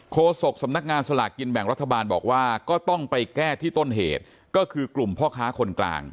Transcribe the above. โศกสำนักงานสลากกินแบ่งรัฐบาลบอกว่าก็ต้องไปแก้ที่ต้นเหตุก็คือกลุ่มพ่อค้าคนกลาง